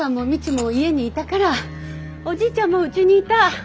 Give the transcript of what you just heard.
おじいちゃんもうちにいた。